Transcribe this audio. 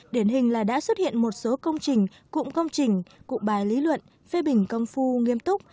điển hình là đã xuất hiện một số công trình cụm công trình cụm bài lý luận phê bình công phu nghiêm túc